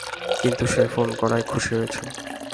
কিন্তু সে ফোন করায় খুশী হয়েছি।